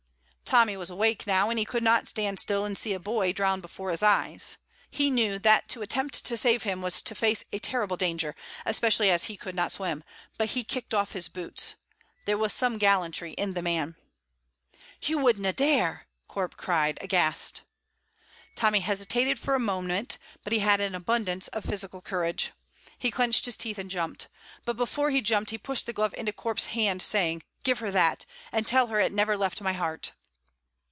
Tommy was awake now, and he could not stand still and see a boy drown before his eyes. He knew that to attempt to save him was to face a terrible danger, especially as he could not swim; but he kicked off his boots. There was some gallantry in the man. "You wouldna dare!" Corp cried, aghast. Tommy hesitated for a moment, but he had abundance of physical courage. He clenched his teeth and jumped. But before he jumped he pushed the glove into Corp's hand, saying, "Give her that, and tell her it never left my heart."